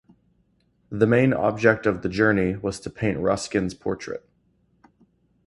The main object of the journey was to paint Ruskin's portrait.